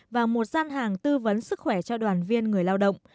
và một gian hàng tư vấn sức khỏe cho đoàn viên người lao động